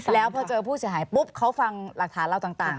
แล้วพอเจอผู้เสียหายปุ๊บเขาฟังหลักฐานเราต่าง